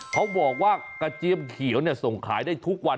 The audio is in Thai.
เขาบอกว่ากระเจียมเขียวส่งขายได้ทุกวัน